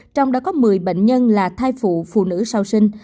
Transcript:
trong đó có một mươi bệnh nhân là thai phụ phụ nữ sau sinh